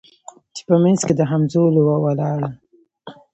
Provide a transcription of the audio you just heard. چي په منځ کي د همزولو وه ولاړه